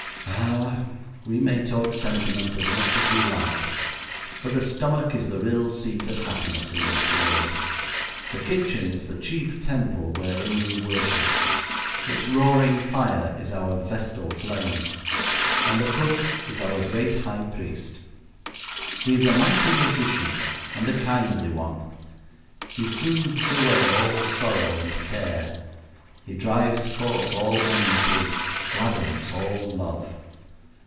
Ah! we may talk sentiment as much as we like, but the stomach is the real seat of happiness in this world. The kitchen is the chief temple wherein we worship, its roaring fire is our vestal flame, and the cook is our great high priest. He is a mighty magician and a kindly one. He soothes away all sorrow and care. He drives forth all enmity, gladdens all love.